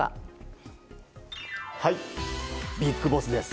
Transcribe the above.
ビッグボスです。